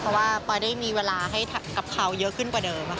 เพราะว่าปอยได้มีเวลาให้กับเขาเยอะขึ้นกว่าเดิมค่ะ